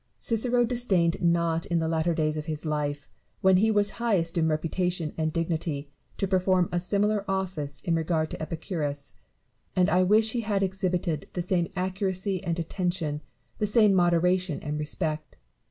Oicero disdained not in the latter days of his life, when he was highest in reputation and dignity, to perform a similar office in regard to Epicurus : and I wish he had exhibited the same accuracy and attention, the same moderation and respect.